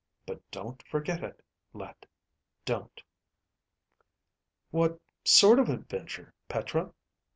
But don't forget it, Let. Don't." "What sort of adventure, Petra?"